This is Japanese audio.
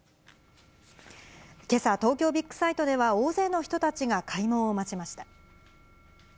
けさ、東京ビッグサイトでは大勢の人たちが開門を待ちました。